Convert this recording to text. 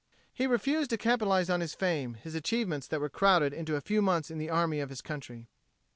He refused to capitalize his fame, his achievements that were crowded into a few months in the army of his country.